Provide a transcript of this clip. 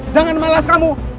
jangan malas kamu